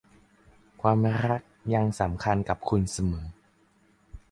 ความรักยังสำคัญกับคุณเสมอ